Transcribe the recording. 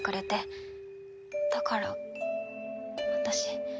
だから私。